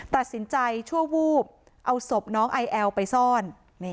ตัดสินใจชั่ววูบเอาศพน้องไอแอลไปซ่อน